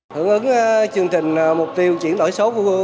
hưởng ứng chương trình mục tiêu chuyển đổi số của quận một